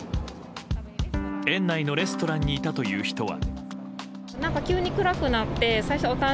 園内のレストランにいたという人は。